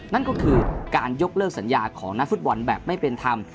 นั่นก็คือการยกเลิกสัญญาของนักฟุตบอลแบบไม่เป็นธรรม